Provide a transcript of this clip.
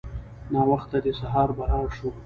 ناوخته دی سهار به لاړ شو.